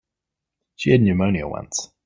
She had pneumonia once.